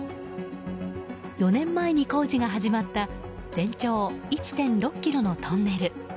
４年前に工事が始まった全長１．６ｋｍのトンネル。